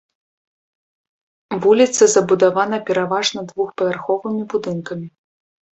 Вуліца забудавана пераважна двухпавярховымі будынкамі.